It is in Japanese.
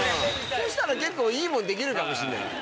そしたら結構いいもんできるかもしんない。